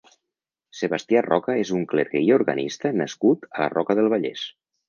Sebastià Roca és un clergue i organista nascut a la Roca del Vallès.